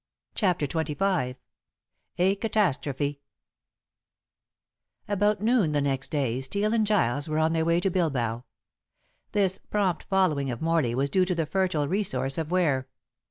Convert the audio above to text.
CHAPTER XXV A CATASTROPHE About noon the next day Steel and Giles were on their way to Bilbao. This prompt following of Morley was due to the fertile resource of Ware.